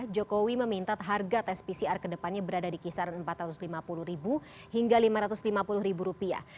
jokowi meminta harga tes pcr kedepannya berada di kisaran empat ratus lima puluh hingga lima ratus lima puluh rupiah